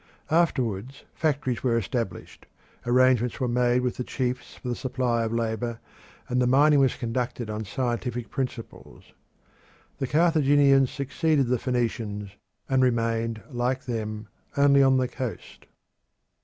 Afterwards factories were established, arrangements were made with the chiefs for the supply of labour, and the mining was conducted on scientific principles. The Carthaginians succeeded the Phoenicians, and remained, like them, only on the coast.